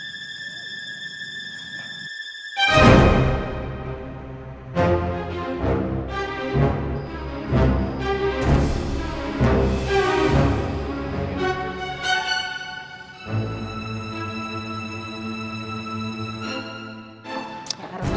sampai ketemu lagi